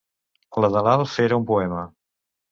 La de l'Alf era un poema.